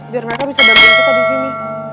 biar mereka bisa bantu kita disini